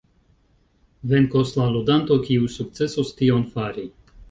Venkos la ludanto kiu sukcesos tion fari.